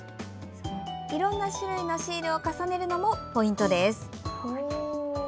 いろんな種類のシールを重ねるのも、ポイントです。